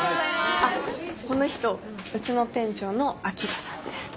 あっこの人うちの店長のアキラさんです。